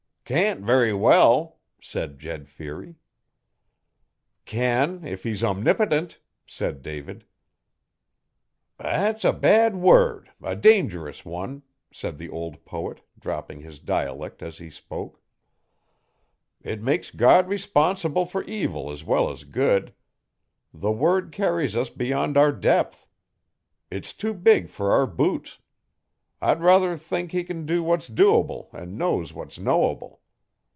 'Can't very well,' said Jed Feary. 'Can, if he's omnipotent,' said David. 'That's a bad word a dangerous one,' said the old poet, dropping his dialect as he spoke. 'It makes God responsible for evil as well as good. The word carries us beyond our depth. It's too big for our boots. I'd ruther think He can do what's doable an' know what's knowable.